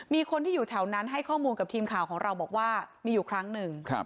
มีคนที่อยู่แถวนั้นให้ข้อมูลกับทีมข่าวของเราบอกว่ามีอยู่ครั้งหนึ่ง